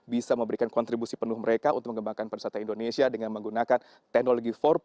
bisa memberikan kontribusi penuh mereka untuk mengembangkan pariwisata indonesia dengan menggunakan teknologi empat